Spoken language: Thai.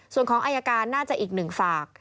ส่วนของอายการน่าจะอีกหนึ่งฝาก